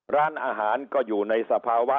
ร้านอาหารก็อยู่ในสภาวะ